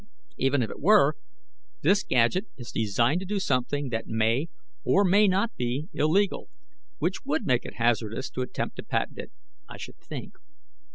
Even if it were, this gadget is designed to do something that may or may not be illegal, which would make it hazardous to attempt to patent it, I should think.